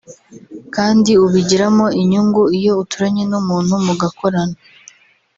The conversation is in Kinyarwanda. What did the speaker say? kandi ubigiramo inyungu iyo uturanye n’umuntu mugakorana